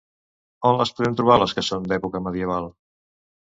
On les podem trobar les que són d'època medieval?